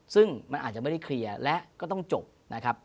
ซึ่งมันอาจจะไม่ได้เคลียร์และก็ต้องจบนะครับ